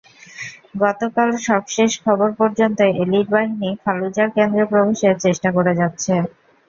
গতকাল সবশেষ খবর পর্যন্ত এলিট বাহিনী ফালুজার কেন্দ্রে প্রবেশের চেষ্টা করে যাচ্ছে।